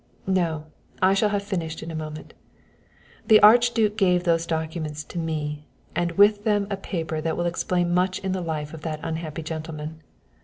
"No; I shall have finished in a moment. The Archduke gave those documents to me, and with them a paper that will explain much in the life of that unhappy gentleman.